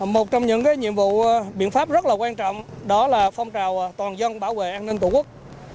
một trong những nhiệm vụ biện pháp rất là quan trọng đó là phong trào toàn dân bảo vệ an ninh tổ quốc